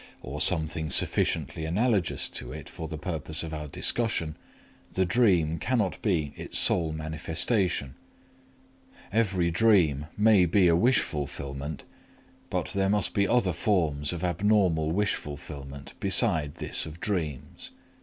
or something sufficiently analogous to it for the purpose of our discussion the dream cannot be its sole manifestation; every dream may be a wish fulfillment, but there must be other forms of abnormal wish fulfillment beside this of dreams.